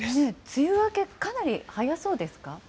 梅雨明け、かなり早そうですか？